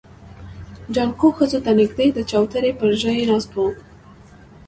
جانکو ښځو ته نږدې د چوترې پر ژی ناست و.